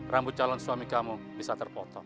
rambut calon suami kamu bisa terpotong